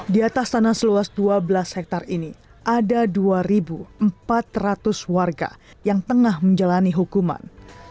di atas tanah seluas dua belas hektare ini ada dua empat ratus warga yang tengah menjalani hukuman